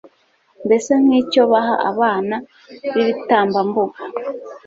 mbese nk'icyo baha abana b'ibitambambuga